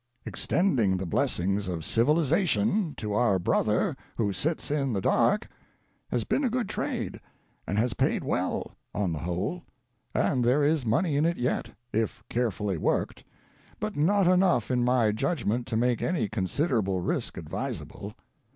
Extending the Blessings of Civilization to our Brother who Sits in Darkness has been a good trade and has paid well, on the whole; and there is money in it yet, if carefully worked — but not enough, in my judgment, to make any considerable risk ad visable.